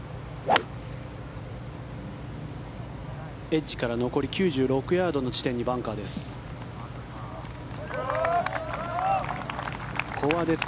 エッジから残り９６ヤードの地点にバンカーです。